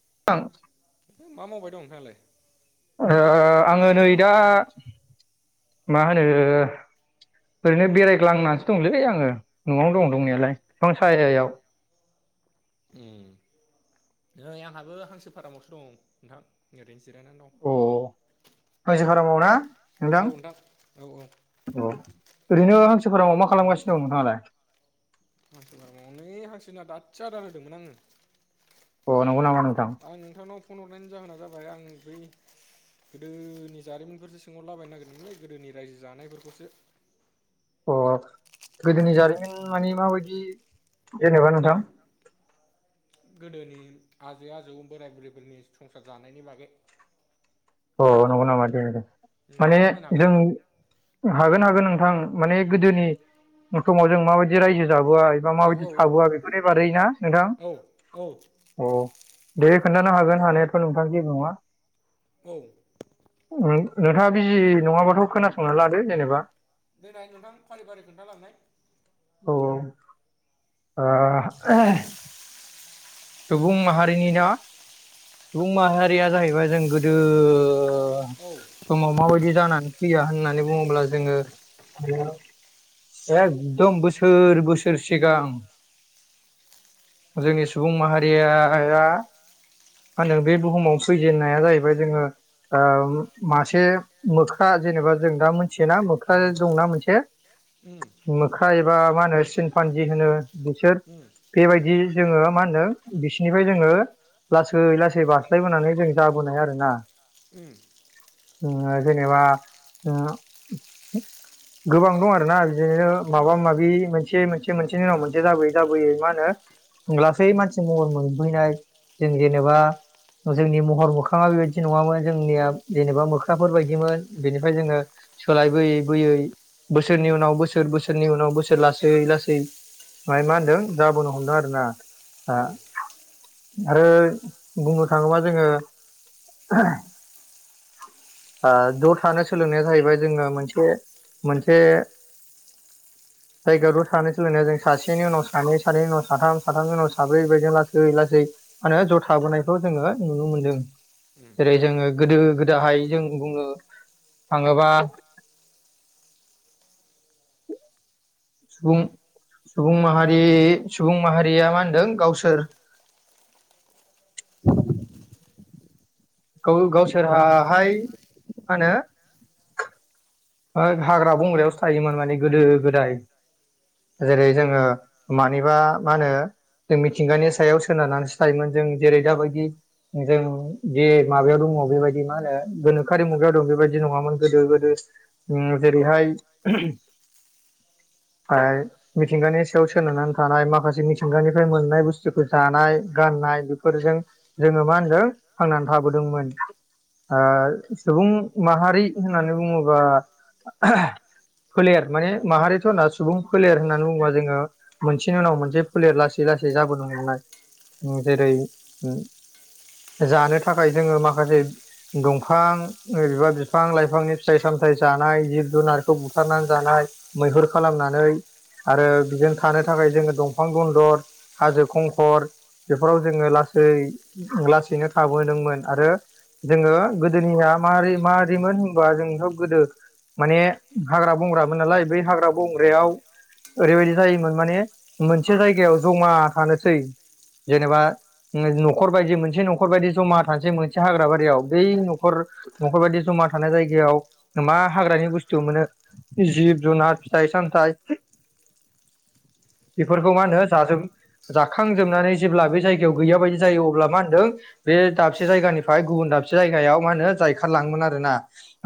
[unintelligible] मा मावबाय दं नोंथाङालाय? ओ आङो नै दा मा होनो ओरैनो बेरायग्लांनासो दंलै आंङो। नआवनो दं दंनायालाय फिफां सायायाव। नै आंहाबो हांसो फारामावसो दं नोंथां ओरैनो अ हांसो फारामावना ना नोंथां अ ओरैनो हां फारामाव मा खालामगासिनो दङ नोंथाङालाय? हांसो फारामाव नै हांसोनो दासो आदार होदोंमोन आङो अ नंगौ नामा नों आं नोंथांनाव फन हरनायनि जाहोना जाबाय आं बै गोदोनि जारिमिनफोरसो सोंहरलाबायनो नागिरदोंमोनलै गोदोनि रायजो जानायफोरखौसो। अ गोदोनि जारिमिन माने माबायदि जेनेबा नोंथां? गोदोनि आजै आजौ बोराय बुरैफोरनि संसार जानायनि बागै। अ नंगौ नामा दे दे। माने जों हागोन हागोन नों थां माने गोदोनि समाव जों माबायदि रायजो जाबोआ एबा माबायदि थाबोआ बेफोरनि बादैना नोंथां अ दे खोन्थानो हागोन हानायाथ नोंथां जेबो नङा। औ नों नोंथाङा बिजि नङाबाथ' खोनासंना लादो जेनेबा। देनाय नोंथां फारि फारि खोन्थालांनाय। औ औ आ एहे हे। सुबुं माहारिनि ना सुबुं माहारिया जाहैबाय जों गोदो ओ समाव माबायदि जानानै फैया होनना नानै बुङोब्ला जोङो एकदम बोसोर बोसोर सिगां जोंनि सु सुबुं माहारिया या मा होनो बे बुहुमाव फैजेनन्नाया जाहैबाय जोङो ओ मासे मोख्रा जेनेबा जों दा मोनथियोना मोख्रा दंना मोनसे। ओम। ख्रा एबा मा होनो सिन पान्जि होनो बिसोर बेबायदि जोङो मा होनो ओ बिसिनिफ्राय जोङो लासै लासै बारस्लायबोनानै जों जाबोनाय आरोना। ओम। जोङो जेनेबा जोङो गोबां दं आरो ना बिदिनो माबा माबि मोनसे मोनसे मोनसेनि उनाव मोनसे जाबोयै जाबोयै मा होनो लास सै मानसि महर मोनफैनाय जों जेनेबा जोंनि महर मोखाङा बेबायदि नङामोन जोंनिया जेनेबा मोख्राफोर बायदिमोन बेनिफ्राय जोङो सोलायबोयै बोयै बोसोरनि उनाव बोसोर बोसोरनि उनाव बोसोर लासै लासै ओमफ्राय मा होनदों जाबोनो हमदों आरोना। आ आरो बुंनो थाङोबा जोङो ओ ज' थानो सोलोंनाया जाहैबाय जोङो मोनसे मोनसे जायगायाव ज' थानो सोलोंनाया जों सासेनि उनाव सानै सानैनि उनाव साथाम साथामनि उनाव सा साब्रै बेबायदिनो लासै लासै मा होनो ज' थाबोनायखौ जोङो नुनो मोनदों। जेरै जोङो गोदो गोदाहाय जों बुंनो थाङोबा सुबुं सुबुं माहारि सुबुं माहारिया मा होनदों गावसोर गा-गावसोराहाय मा होनो हाग्रा बंग्रायावसो थायोमोन माने गोदो गोदाय। जेरै जोङो मा मानिबा मा होनो जों मिथिंगानि सायाव सोनारनानैसो थायोमोन जों जेरै दाबायदि जों जे माबायाव दङ बेबायदि मा होनो गोनोखोआरि मुगायाव दं बेबायदि नङामोन गोदो गोदो उम जेरैहाय ओ मिथिंगानि सायाव सोनारनानै थानाय माखासे मिथिंगानिफ्राय मोननाय बुस्थुफोर जानाय गाननाय बेफोरजों जोङो मा होनदों थांनानै थाबोदोंमोन ओ सुबुं माहारि होननानै बुङोबा फोलेर माने माहारिआथ' होनना सुबुं फोलेर होननानै बुङोबा जोङो मोनसेनि उनाव मोनसे फोलेर लासै लासै जाबोनो हमनाय जेरै जानो थाखाय जोङो माखासे दंफां अबेबा बिबां बिफां लाइफांनि फिथाइ सामथाय जानाय जिब जुनारखौ बुथारनानै जानाय मैहुर खालामनानै आरो बिजों थानो थाख थाखाय जोङो दंफां दन्दर हाजो खंखर बेफोराव जोङो लासै लासैनो थाबोदोंमोन आरो जोङो गोदोनिया माबोरै माबोरैमोन होनबा जोंनिथ' गोदो माने हाग्रा बंग्रामोन नालाय बै हाग्रा बंग्रायाव ओरैबायदि जायोमोन माने मोनसे जायगायाव जमा थानोसै जेनेबा न'खर बायदि मोनसे न'खर बायदि जमा थानोसै मोनसे हाग्रा बारियाव बै न'खर न'खर बायदि जमा थानाय जायगायाव मा हाग्रानि बुस्थु मोनो जिब जुनार फिथाइ सामथाइ बेफोरखौ मा होनो जाजोब जाखांजोबनानै जेब्ला बे जायगायाव गैया बायदि जायो अब्ला मा होनदों बे दाबसे जायगानिफ्राय गुबुन दाबसे जायगायाव मा होनो जायखार लाङोमोन आरोना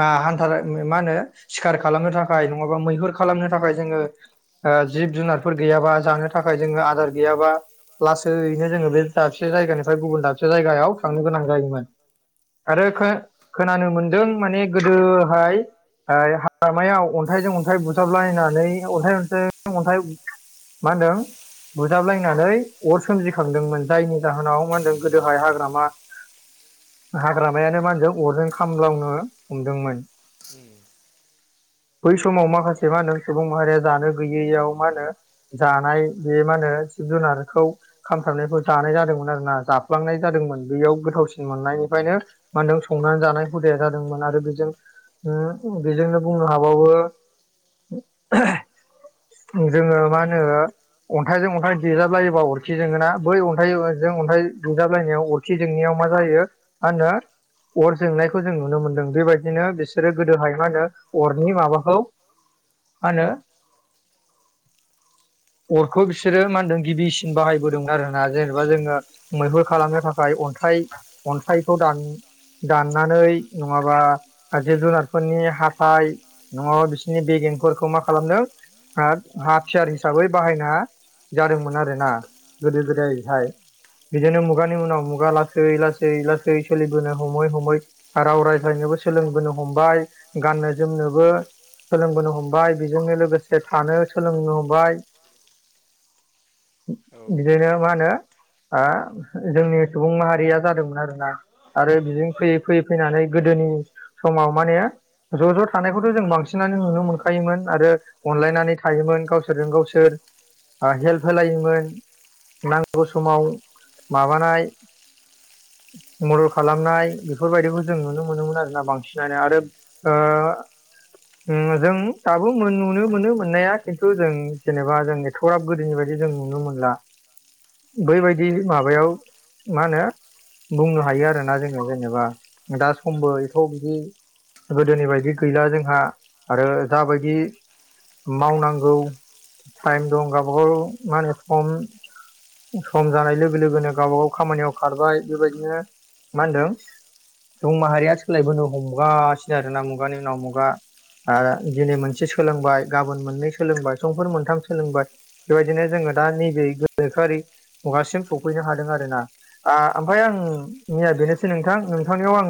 आ हान्था मा होनो सिखार खालामनो थाखाय नङाबा मैहुर खालामनो थाखाय जोङो ओ जिब जुनारफोर गैयाबा जानो थाखाय जोङो आदार गैयाबा लासैनो जोङो बे दाबसे जायगानिफ्राय गुबुन दाबसे जायगायाव थांनो गोनां जायोमोन आरो खो-खोनानो मोनदों माने गोदोहाय ओ हाग्रामायाव अन्थाइजों अन्थाइ बुजाबलायनानै अन्थाइ अन्थाइजों अन्थाइ मा होनदों बुजाबलायनानै अर सोमजिखांदोंमोन जायनि जाहोनाव मा होनदों गोदोहाय हाग्रामा हाग्रामायानो मा होनदों अरजों खामलावनो हमदोंमोन। उम। बै समाव माखासे मा होनो सुबुं माहारिया जानो गैयैयाव मा होनो जानाय बे मा होनो जिब जुनारखौ खामथाबनायखौ जानाय जादोंमोन आरोना जाफ्लांनाय जादोंमोन बेयाव गोथावसिन मोननायनिफ्रायनो मा होनदों संनानै जानाय हुदाया जादोंमोन आरो बेजों ओ बेजोंनो बुंनो हाबावो जोङो मा होनो अन्थाइजों अन्थाइ देजाबलायोबा अरखि जोङोना बै अन्थाइजों अन्थाइ देेजाबलायनायाव अरखि जोंनायाव मा जायो मा होनो अर जोंनायखौ जों नुनो मोनदों बेबायदिनो बिसोर बिसोरो गोदोहाय मा होनो अरनि माबाखौ मा होनो अरखौ बिसोरो मा होनदों गिबिसिन बाहायबोदोंमोन आरोना जेनेबा जोङो मैहुर खालामनो थाखाय अन्थाइ अन्थाइखौ दान दाननानै नङाबा आरो जिब जुनारफोरनि हाथाय नङाबा बिसोरनि बेगेंफोरखौ मा खालामदों हा हाथियार हिसाबै बाहायना जादोंमोन आरोना गोदो गोदायहाय बिदिनो मुगानि उनाव मुगा लासै लासै लासै सोलिबोनो हमै हमै राव रायज्लायनोबो सोलों बोनो हमबाय गाननो जोमनोबो सोलोंबोनो हमबाय बेजोंनो लोगोसे थानो सोलोंनो हमबाय। बिदिनो मा होनो ओ जोंनि सुबुं माहारिया जादोंमोन आरोना आरो बिजों फैयै फैयै फैनानै गोदोनि समाव माने ज' ज' थानायखौथ' जों बांसिनानो नुनो मोनखायोमोन आरो अनलायनानै थायोमोन गावसोरजों गावसोर ओ हेल्प होलायोमोन नांगौ समाव माबानाय मदद खालामनाय बेफोरबायदिखौ जों नुनो मोनोमोन आरोना बांसिन। जानो आरो ओ ओम जों दाबो नुनो मोनो मोननाया खिन्थु जों जेनेबा जों एथ'राब गोदोनि बायदि जों नुनो मोनला बैबायदि माबायाव मा होनो बुंनो हायो आरोना जोङो जेनेबा दा समबो एथ' बिदि गोदोनि बायदि गैला जोंहा आरो जाबायदि मावनांगौ टाइम दं गावबागाव मा होनो सम सम जानाय लोगो लोगोनो गावबाागाव खामानियाव खारबाय बेबायदिनो मा होनदों सुबुं माहारिया सोलायबोनो हमबाय। नुगासिनो आरोना मुगानि उनाव मुगा दिनै मोनसे सोलोंबाय गाबोन मोननै सोलोंबाय समफोर मोनथाम सोलोंबाय बेबायदिनो जोङो दा नैबे गोनोखोआरि मुगासिम सफैनो हादों आरो ना आ ओमफाय आं मैया बेनो नोंथां नोंथांनियाव आं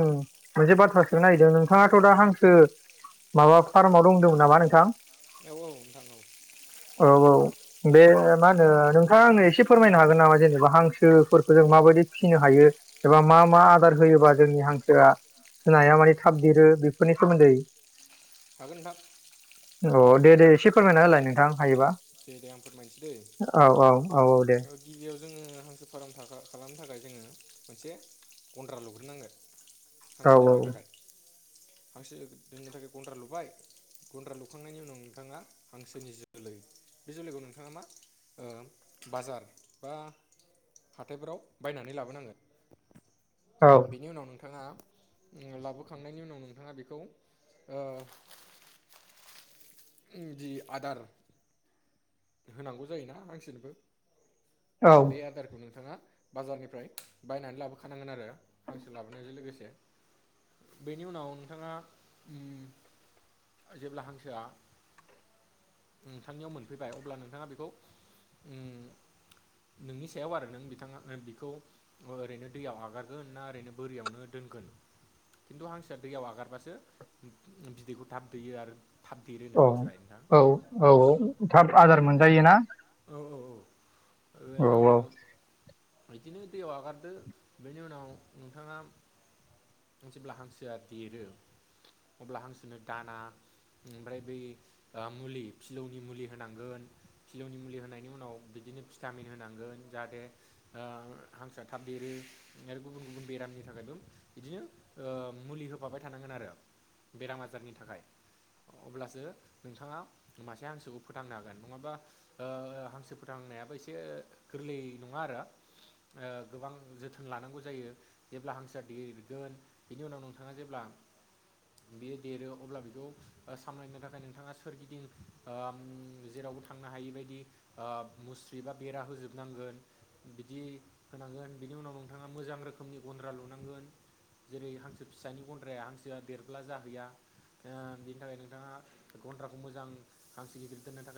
मोनसे बाथ्रा नागिरदों नोंथाङाथ' दा हांसो माबा फार्माव दं होनदोंमोन नामा नोंथां? औ औ नोंथां औ औ औ बे मा होनो नोंथाङा आंनो एसे फोरमायनो हागोन नामा जेनेबा हांसोफोरखौ जों माबायदि फिसिनो हायो एबा मा मा आदार होयोबा जोंनि हांसोआ होनाया माने थाब दिरो बेफोरनि सोमोन्दै हागोन नोंथां अ दे दे एसे फोरमायना होलाय नोंथां हायोबा दे दे आं फोरमायसै दै ओ गिबियाव जोङो हांसो फाराम थाखा खालामनो थाखाय जोङो मोनसे गन्द्रा लुग्रोनांगोन हांसि दोननो थाखाय हांसो दोननो थाखाय गन्द्रा लुबाय गन्द्रा लुखांनायनि उनाव नोंथाङा हांसोनि जोलै बे जोलैखौ नोंथाङा मा ओ बाजार बा हाथायफोराव बायनानै लाबोनांगोन बिनि उनाव नों थाङ लाबोखांनायनि उनाव नोंथाङा बेखौ ओ ओनजि आदार होनांगौ जायोना हांसोनोबो बेआदारखौ नोंथाङा बाजारनिफ्राय बायनानै लाबोखानांगोन आरो हांसो लाबोनायजों लोगोसे बेनि उनाव नोंथाङा उम जेब्ला हांसोआ नोंथांनियाव मोनफैबाय अब्ला नोंथाङा बेखौ उम नोंनि सायाव आरो नों बेखौ ओरैनो दैयाव आगारगोन ना ओरैनो बोरियावनो दोनगोन खिन्थु हांसोआ दैयाव आगारबासो बिदैखौ थाब दैयो आरो थाब देरोनो मिथिबाय नोंथां औ औ औ थाब आदार मोनजायो ना औ औ बिदिनो दैयाव हगारदो बेनि उनाव नोंथाङा जेब्ला हांसोआ देरो अब्ला हांसोनो दाना ओमफ्राय बै मुलि फिलौनि मुलि होनांगोन फिलौनि मुलि होनायनि उनाव बिदिनो भिटामिन होनांगोन जाहाथे आ हांसोआ थाब देरो आरो गुबुन गुबुन बेरामनि थाखायबो बिदिनो ओ मुलि होफाबाय थानांगोन आरो बेराम आजारनि थाखाय अब्लासो नोंथाङा मासे हांसोखौ फोथांनो हागोन नङाबा आ हांसो फोथांनायाबो एसे गोरलै नङा आरो ओ गोबां जोथोन लानांगौ जायो जेब्ला हांसोआ देरगोन बेनि उनाव नोंथाङा जेब्ला बेयो देरो अब्ला बेखौ सामलायनो थाखाय नोंथाङा सोरगिदिं उम जेरावबो थांनो हायिबायायदि आ मुस्रि बा बेरा होजोबनांगोन बिदि होनांगोन बिनि उनाव नोंथाङा मोजां रोखोमनि गन्द्रा लुनांगोन जेरै हांसो फिसानि गन्द्राया हांसोआ बेरब्ला जाहैया ओ बिनि थाखाय नोंथाङा गन्द्राखौ मोजां हांसे गिदिर दोननो थाखाय